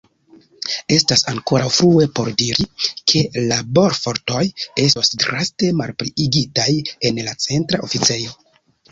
Estas ankoraŭ frue por diri, ke laborfortoj estos draste malpliigitaj en la Centra Oficejo.